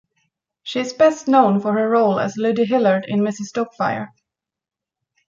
She is best known for her role as Lydie Hillard in "Mrs. Doubtfire".